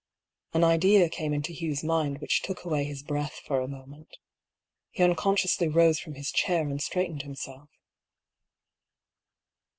An idea came into Hugh's mind which took away his breath for a moment. He unconsciously rose from his chair and straightened himself.